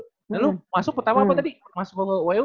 dan lu masuk pertama apa tadi masuk ke wu